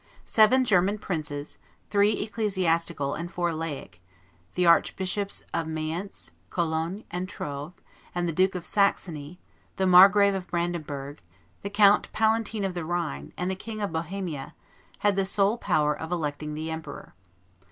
Seven German princes, three ecclesiastical and four laic, the Archbishops of Mayence, Cologne, and Troves, and the Duke of Saxony, the Margrave of Brandenburg, the Count Palatine of the Rhine, and the King of Bohemia, had the sole power of electing the emperor.